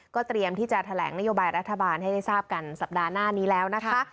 เตรียมที่จะแถลงนโยบายรัฐบาลให้ได้ทราบกันสัปดาห์หน้านี้แล้วนะคะ